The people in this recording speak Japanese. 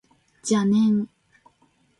邪念